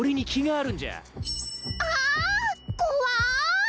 あん怖い。